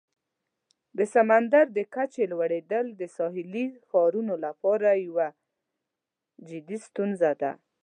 د سمندر د کچې لوړیدل د ساحلي ښارونو لپاره یوه جدي ستونزه ده.